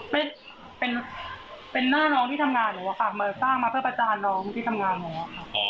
เป็นเป็นหน้าน้องที่ทำงานหนูอะค่ะมาสร้างมาเพื่อประจานน้องที่ทำงานหนูอะค่ะ